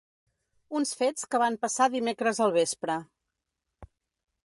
Uns fets que van passar dimecres al vespre.